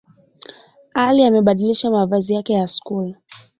Ali amebadilisha mavazi yake ya Skuli.